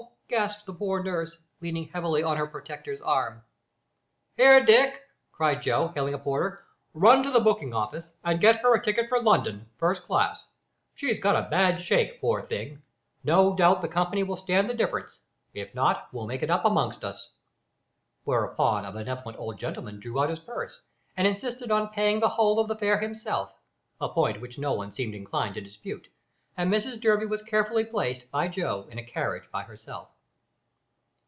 gasped the poor nurse, leaning heavily on her protector's arm. "Here, Dick," cried Joe, hailing a porter, "run to the booking office and get her a ticket for London, first class; she's got a bad shake, poor thing. No doubt the company will stand the difference; if not, we'll make it up amongst us." Hereupon a benevolent old gentleman drew out his purse, and insisted on paying the whole of the fare himself, a point which no one seemed inclined to dispute, and Mrs Durby was carefully placed by Joe in a carriage by herself.